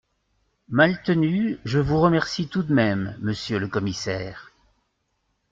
Maltenu Je vous remercie tout de même, Monsieur le commissaire…